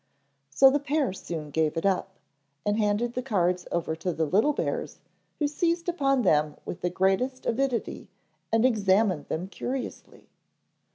So the pair soon gave it up and handed the cards over to the little bears who seized upon them with the greatest avidity and examined them curiously.